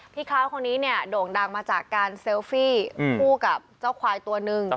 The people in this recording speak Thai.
คล้ายคนนี้เนี่ยโด่งดังมาจากการเซลฟี่คู่กับเจ้าควายตัวหนึ่ง